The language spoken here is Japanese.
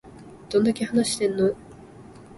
どんだけ話してんの